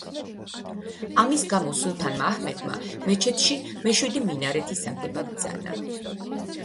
ამის გამო სულთანმა აჰმედმა მეჩეთში მეშვიდე მინარეთის აგება ბრძანა.